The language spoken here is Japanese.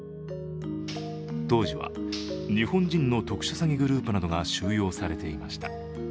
当時は日本人の特殊詐欺グループなどが収容されていました。